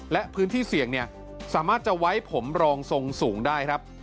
และพื้นที่เสี่ยงสามารถจะไว้ผมรองทรงสูงได้ครับ